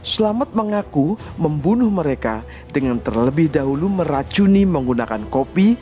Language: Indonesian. selamat mengaku membunuh mereka dengan terlebih dahulu meracuni menggunakan kopi